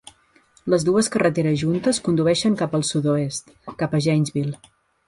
Les dues carreteres juntes condueixen cap al sud-oest, cap a Janesville.